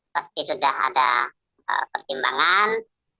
pasti sudah ada pertimbangan